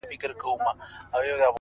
o قاسم یار بایللی هوښ زاهد تسبې دي,